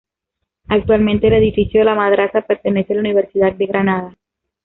Actualmente, el edificio de la madraza pertenece a la Universidad de Granada.